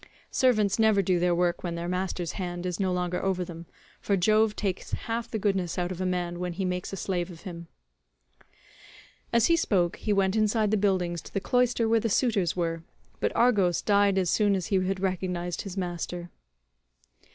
Servants never do their work when their master's hand is no longer over them, for Jove takes half the goodness out of a man when he makes a slave of him." As he spoke he went inside the buildings to the cloister where the suitors were, but Argos died as soon as he had recognised his master.